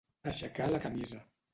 Aixecar la camisa